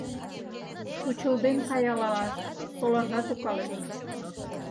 Тучылден каялалаш солажат укалеш.